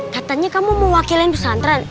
katanya kamu mau wakilin pesantren